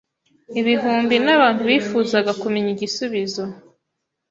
Ibihumbi n’abantu bifuzaga kumenya igisubizo.